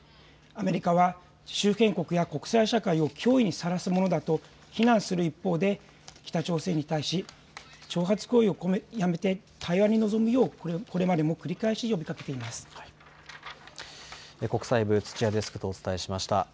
アメリカは、周辺国や国際社会を脅威にさらすものだと非難する一方で北朝鮮に対し、挑発行為をやめて対話に臨むようこれまでも繰り返し呼びかけてきました。